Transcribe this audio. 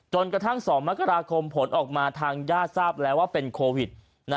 จนกระทั่ง๒มกราคมผลออกมาทางญาติทราบแล้วว่าเป็นโควิด